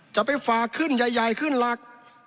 จะไปฝากขึ้นใหญ่ขึ้นหลัก